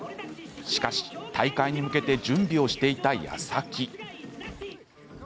しかし大会に向けて準備をしていたやさき。